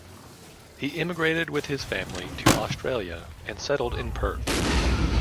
He immigrated with his family to Australia and settled in Perth.